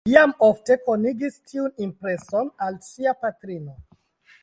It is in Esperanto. Li jam ofte konigis tiun impreson al sia patrino.